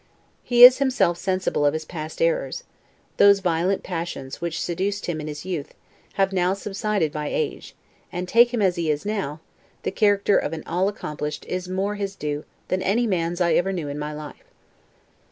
He is himself sensible of his past errors: those violent passions which seduced him in his youth, have now subsided by age; and take him as he is now, the character of all accomplished is more his due than any man's I ever knew in my life.